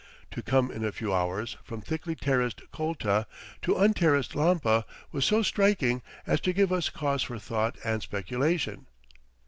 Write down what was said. To come in a few hours, from thickly terraced Colta to unterraced Lampa was so striking as to give us cause for thought and speculation.